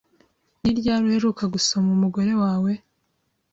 Ni ryari uheruka gusoma umugore wawe?